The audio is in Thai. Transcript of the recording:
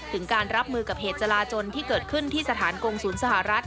ถึงการรับมือกับเหตุจราจนที่เกิดขึ้นที่สถานกงศูนย์สหรัฐ